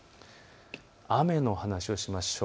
雨の話をしましょう。